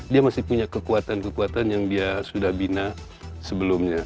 dia masih punya kekuatan kekuatan yang dia sudah bina sebelumnya